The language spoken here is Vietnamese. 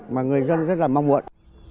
mà người dân rất là mong muốn